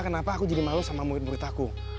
kenapa aku jadi malu sama murid murid aku